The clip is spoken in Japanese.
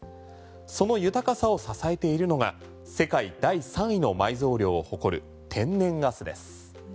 その豊かさを支えているのが世界第３位の埋蔵量を誇る天然ガスです。